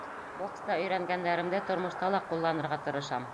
Бокста өйрәнгәндәремде тормошта ла ҡулланырға тырышам.